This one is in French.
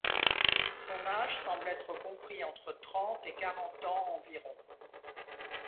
Son âge semble être compris entre trente et quarante ans environ.